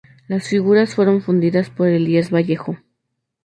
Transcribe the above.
Las figuras fueron fundidas por Elías Vallejo.